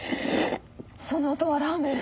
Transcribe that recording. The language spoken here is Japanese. その音はラーメン！？